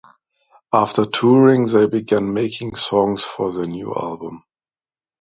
After touring they began making songs for their new album.